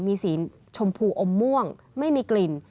มีสีชมพูอมม่วงไม่มีกลิ่น